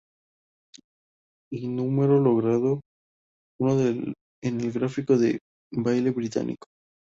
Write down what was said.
Y número logrado uno en el Gráfico de Baile británico.